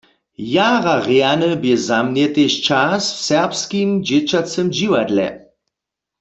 Jara rjany bě za mnje tež čas w Serbskim dźěćacym dźiwadle.